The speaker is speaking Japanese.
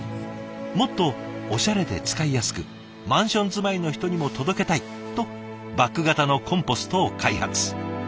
もっとおしゃれで使いやすくマンション住まいの人にも届けたいとバッグ型のコンポストを開発。